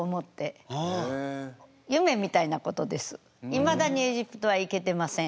いまだにエジプトは行けてません。